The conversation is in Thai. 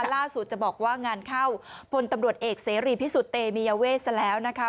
ล่าสุดจะบอกว่างานเข้าพลตำรวจเอกเสรีพิสุทธิ์เตมียเวทซะแล้วนะคะ